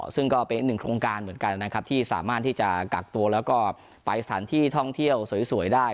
ซึ่งก็เป็นหนึ่งโครงการเหมือนกันนะครับที่สามารถที่จะกักตัวแล้วก็ไปสถานที่ท่องเที่ยวสวยได้